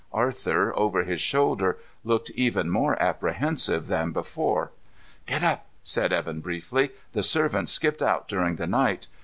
Arthur, over his shoulder, looked even more apprehensive than before. "Get up," said Evan briefly. "The servants skipped out during the night.